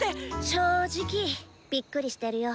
正直びっくりしてるよ。